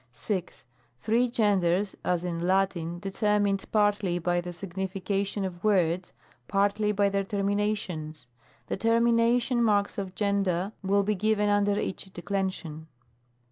6. Three genders, as in Latin, determined partly by the signification of words, partly by their termina tions. The termination marks of gender wUl be given under each declension.